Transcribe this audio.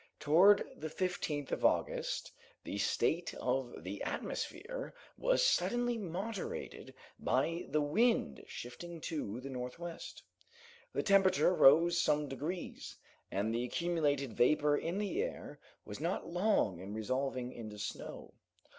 Towards the 15th of August, the state of the atmosphere was suddenly moderated by the wind shifting to the northwest. The temperature rose some degrees, and the accumulated vapor in the air was not long in resolving into snow.